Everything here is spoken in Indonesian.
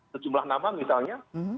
sejumlah nama misalnya